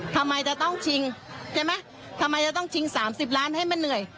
ทำไมจะต้องชิงใช่ไหมทำไมจะต้องชิง๓๐ล้านให้มันเหนื่อย